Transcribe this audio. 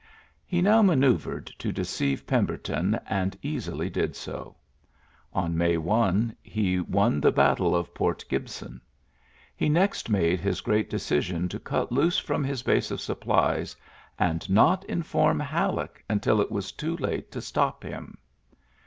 '' He now manoeuvred to deceive Pem berton, and easily did so. On May 1 he won the battle of Port Gibson. He next made his great decision to cut loose from his base of supplies, artd not inform HcMeck until it was too late to stop him.